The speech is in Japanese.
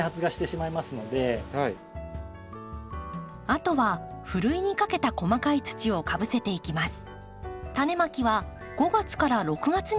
あとはふるいにかけた細かい土をかぶせていきます。